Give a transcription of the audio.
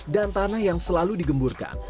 dan tanah yang selalu digemburkan